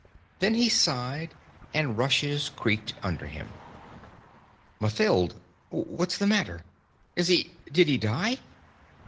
Then he sighed, and rushes creaked under him. "Mathild! What's the matter? Is he did he die?"